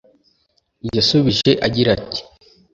yasubije agira ati